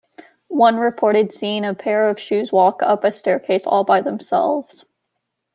One reported seeing a pair of shoes walk up a staircase all by themselves.